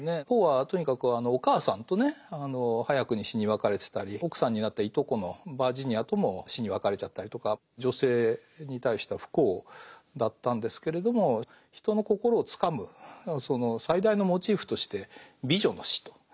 ポーはとにかくお母さんとね早くに死に別れてたり奥さんになったいとこのバージニアとも死に別れちゃったりとか女性に対しては不幸だったんですけれども人の心をつかむその最大のモチーフとして美女の死と。